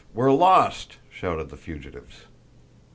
We're lost!" shouted the fugitives.